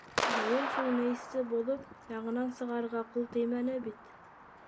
Быйыл шул мейесте боҙоп, яңынан сығарырға ҡул теймәне бит.